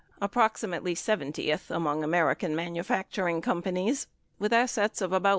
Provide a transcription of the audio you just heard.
approximately 70th among American manu facturing companies with assets of about $1.